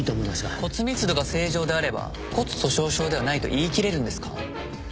骨密度が正常であれば骨粗しょう症ではないと言いきれるんですか？